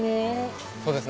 そうですね